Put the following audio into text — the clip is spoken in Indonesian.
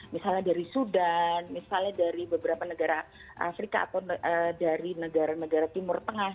misalnya dari sudan misalnya dari beberapa negara afrika atau dari negara negara timur tengah